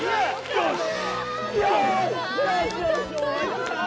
よし！